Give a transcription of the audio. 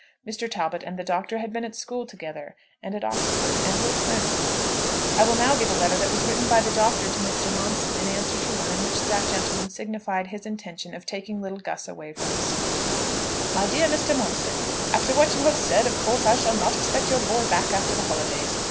Mr. Talbot and the Doctor had been at school together, and at Oxford, and were friends. I will give now a letter that was written by the Doctor to Mr. Momson in answer to one in which that gentleman signified his intention of taking little Gus away from the school. "MY DEAR MR. MOMSON, After what you have said, of course I shall not expect your boy back after the holidays.